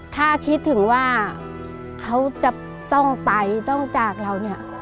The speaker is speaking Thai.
ถ้าคิดถึงว่าเขาจะต้องไปต้องจากเราเนี่ย